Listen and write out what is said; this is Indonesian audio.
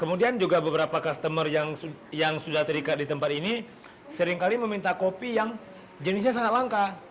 kemudian juga beberapa customer yang sudah terikat di tempat ini seringkali meminta kopi yang jenisnya sangat langka